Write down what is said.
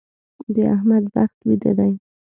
د احمد بخت ويده دی.